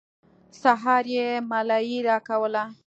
سهار يې ملايي راکوله.